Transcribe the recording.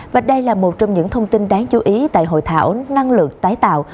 và đây là một trong những thông tin đáng chú ý tại hội thảo năng lượng tái tạo